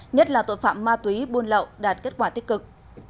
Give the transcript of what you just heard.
nhất là tội phạm ma túy buôn lậu đạt kết quả tích cực